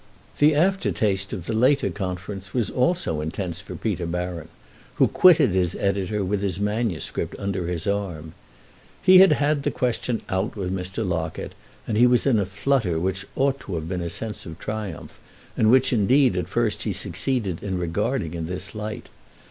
The aftertaste of the later conference was also intense for Peter Baron, who quitted his editor with his manuscript under his arm. He had had the question out with Mr. Locket, and he was in a flutter which ought to have been a sense of triumph and which indeed at first he succeeded in regarding in this light.